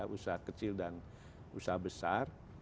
usaha kecil dan usaha besar